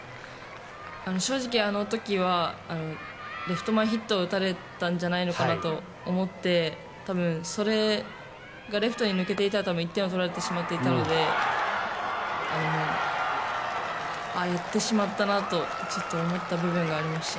正直あの時はレフト前ヒットを打たれたんじゃないかなと思って多分それがレフトに抜けていたら１点は取られてしまっていたのでああ、やってしまったなと思った部分がありました。